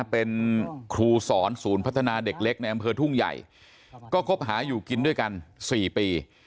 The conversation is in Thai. เป็นครูสอนศูนย์พัฒนาเด็กเล็กในอำเภอทุ่งใหญ่ก็คบหาอยู่กินด้วยกัน๔ปี